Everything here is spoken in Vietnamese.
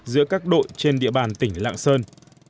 giữa các đội trên địa bàn tỉnh lạng sơn